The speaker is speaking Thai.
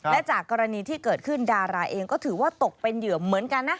และจากกรณีที่เกิดขึ้นดาราเองก็ถือว่าตกเป็นเหยื่อเหมือนกันนะ